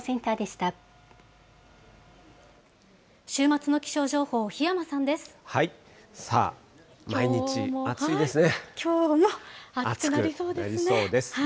週末の気象情報、檜山さんでさあ、きょうも暑くなりそうですね。